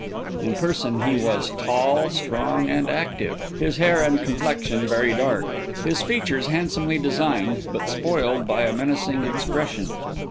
In person he was tall, strong, and active; his hair and complexion very dark; his features handsomely designed, but spoiled by a menacing expression.